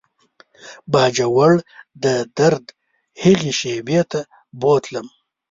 باجوړ د درد هغې شېبې ته بوتلم.